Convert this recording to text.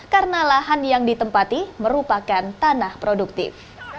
karena lahan yang ditempati merupakan tanah produktif